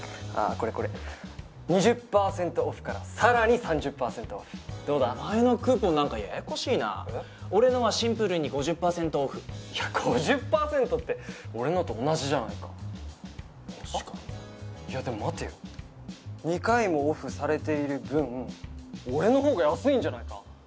これこれ２０％ＯＦＦからさらに３０％ＯＦＦどうだお前のクーポン何かややこしいな俺のはシンプルに５０％ＯＦＦいや５０％って俺のと同じじゃないか確かにいやでも待てよ２回もＯＦＦされている分俺の方が安いんじゃないか？